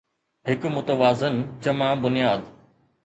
هڪ متوازن جمع بنياد